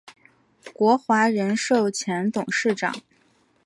国华人寿前董事长。